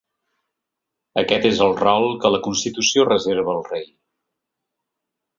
Aquest és el rol que la constitució reserva al rei.